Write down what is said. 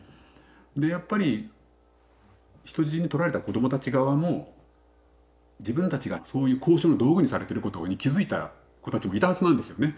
でやっぱり人質にとられた子どもたち側も自分たちがそういう交渉の道具にされてることに気付いた子たちもいたはずなんですよね。